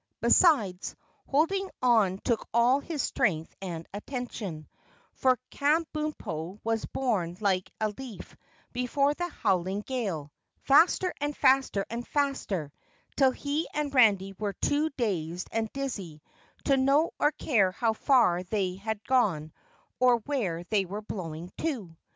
Besides, holding on took all his strength and attention, for Kabumpo was borne like a leaf before the howling gale, faster and faster and faster, till he and Randy were too dazed and dizzy to know or care how far they had gone or where they were blowing to.